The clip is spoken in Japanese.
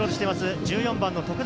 １４番の徳永。